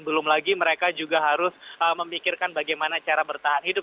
belum lagi mereka juga harus memikirkan bagaimana cara bertahan hidup